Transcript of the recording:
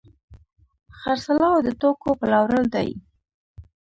خرڅلاو د توکو پلورل دي.